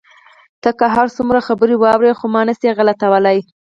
ته که هر څومره خبره واړوې، خو ما نه شې غلتولای.